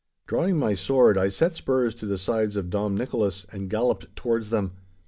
Drawing my sword, I set spurs to the sides of Dom Nicholas and galloped towards them.